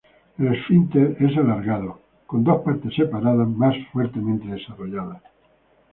El esfínter es alargado, con dos partes separadas más fuertemente desarrolladas.